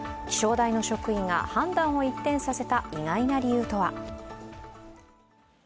気象台の職員が判断を一転させた意外な理由とは？